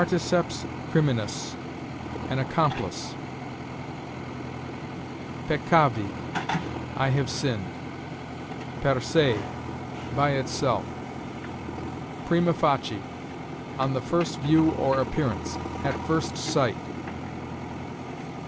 Particeps criminis: an accomplice. Peccavi: I have sinned. Per se: by itself. Prima facie: on the first view or appearance; at first sight.